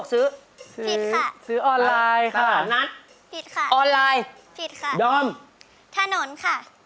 แค่อยากให้รู้ไม่ได้ต้องการสิ่งใด